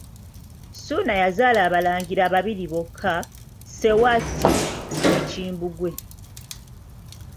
Ssuuna yazaala abalangira babiri bokka, Ssewatti ne Kimbugwe.